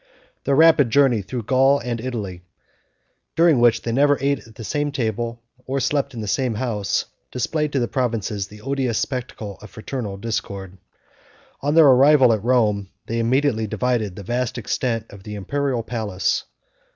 Their rapid journey through Gaul and Italy, during which they never ate at the same table, or slept in the same house, displayed to the provinces the odious spectacle of fraternal discord. On their arrival at Rome, they immediately divided the vast extent of the imperial palace.